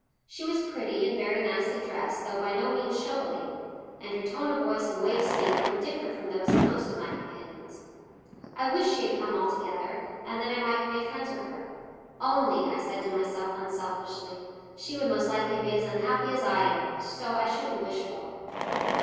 She was pretty and very nicely dressed, though by no means showily, and her tone of voice and way of speaking were different from those of most of my companions. I wished she had come altogether, and then I might have made friends with her. "Only," I said to myself unselfishly, "she would most likely be as unhappy as I am, so I shouldn't wish for it."